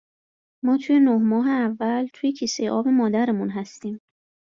ما توی نه ماه اول توی کیسهی آب مادرمون هستیم